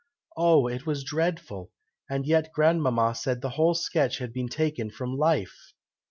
Oh! it was dreadful! and yet grandmama said the whole sketch had been taken from life."